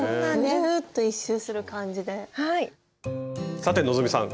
さて希さん